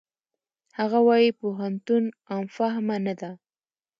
هغه وايي پوهنتون عام فهمه نه ده.